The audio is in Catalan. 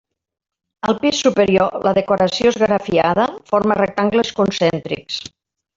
Al pis superior, la decoració esgrafiada forma rectangles concèntrics.